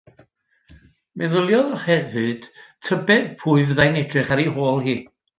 Meddyliodd hefyd tybed pwy fyddai'n edrych ar ei hôl hi.